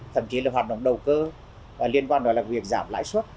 thậm chí là hoạt động đầu cơ liên quan đó là việc giảm lãi suất